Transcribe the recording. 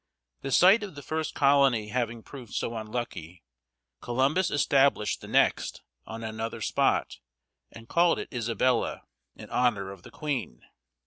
The site of the first colony having proved so unlucky, Columbus established the next on another spot, and called it Isabella, in honor of the queen.